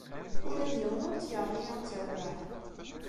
Ula d yiwen ur tt-yeṛji ad terbeḥ.